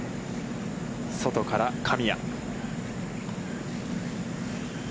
外から、神谷。